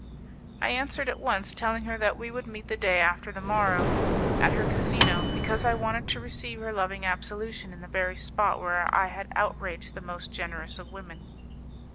I answered at once, telling her that we would meet the day after the morrow at her casino, because I wanted to receive her loving absolution in the very spot where I had outraged the most generous of women.